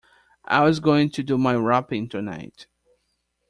I was going to do my wrapping tonight.